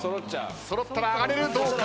揃ったら上がれる。どうか？